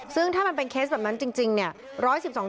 ซึ่งถ้ามันเป็นเคสแบบนั้นจริงเนี่ย